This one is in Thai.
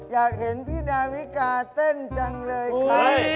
อยากเห็นพี่ดาวิกาเต้นจังเลยครับ